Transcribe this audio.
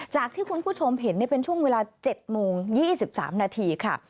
ที่คุณผู้ชมเห็นเป็นช่วงเวลา๗โมง๒๓นาทีค่ะ